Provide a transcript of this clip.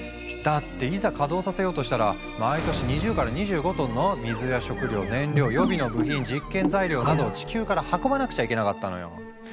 だっていざ稼働させようとしたら毎年２０から２５トンの水や食料燃料予備の部品実験材料などを地球から運ばなくちゃいけなかったのよ。